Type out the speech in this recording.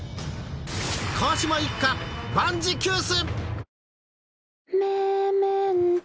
川島一家万事休す！